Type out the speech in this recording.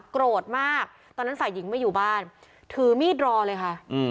โกรธมากตอนนั้นฝ่ายหญิงไม่อยู่บ้านถือมีดรอเลยค่ะ